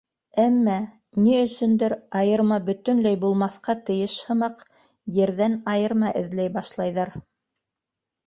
Әммә, ни өсөндөр, айырма бөтөнләй булмаҫҡа тейеш һымаҡ ерҙән айырма эҙләй башлайҙар.